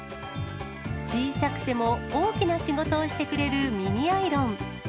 小さくても大きな仕事をしてくれるミニアイロン。